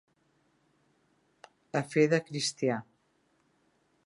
A fe de cristià.